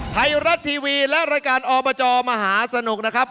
ไทยรัฐทีวีและรายการอบจมหาสนุกนะครับ